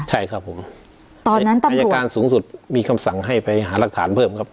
ใช่ครับผมตอนนั้นอายการสูงสุดมีคำสั่งให้ไปหารักฐานเพิ่มครับ